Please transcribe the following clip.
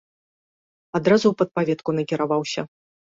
Адразу ў падпаветку накіраваўся.